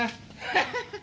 ハハハッ！